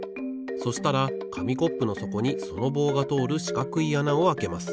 そしたらかみコップのそこにその棒がとおるしかくいあなをあけます。